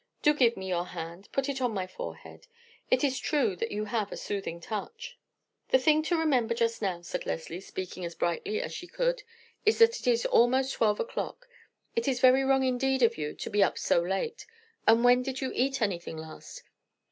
Do give me your hand; put it on my forehead. It is true that you have a soothing touch." "The thing to remember just now," said Leslie, speaking as brightly as she could, "is that it is almost twelve o'clock. It is very wrong indeed of you to be up so late; and when did you eat anything last?